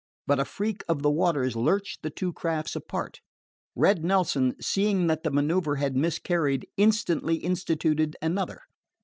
But a freak of the waters lurched the two crafts apart. Red Nelson, seeing that the manoeuver had miscarried, instantly instituted another.